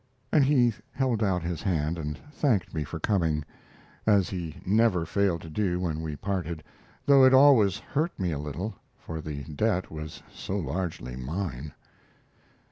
And he held out his hand and thanked me for coming, as he never failed to do when we parted, though it always hurt me a little, for the debt was so largely mine.